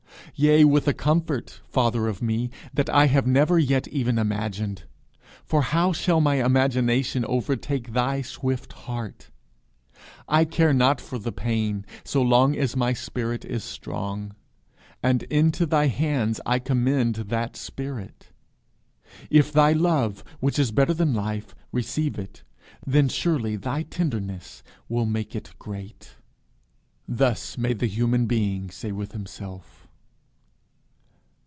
yea, with a comfort, father of me, that I have never yet even imagined; for how shall my imagination overtake thy swift heart? I care not for the pain, so long as my spirit is strong, and into thy hands I commend that spirit. If thy love, which is better than life, receive it, then surely thy tenderness will make it great." Thus may the Human Being say with himself.